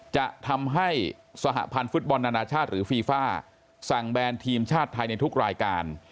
จะทำให้สหพันธ์ฟุตบอลนานาชาติหรือฟีฟ่าสั่งแบนทีมชาติไทยในทุกรายการ